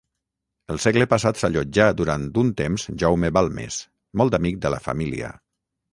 El segle passat s'allotjà durant un temps Jaume Balmes, molt amic de la família.